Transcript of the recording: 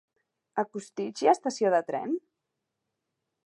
A Costitx hi ha estació de tren?